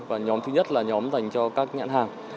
và nhóm thứ nhất là nhóm dành cho các nhãn hàng